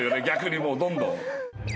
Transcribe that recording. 逆にもうどんどん。